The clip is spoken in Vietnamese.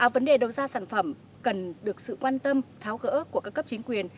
vấn đề đầu ra sản phẩm cần được sự quan tâm tháo gỡ của các cấp chính quyền